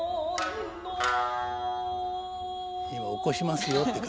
「今起こしますよ」って感じでね。